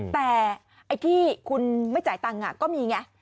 แต่ไอ้ที่คุณไม่จ่ายตังค์ก็มีไง